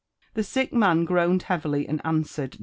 The sick man groaned heavily and, answered.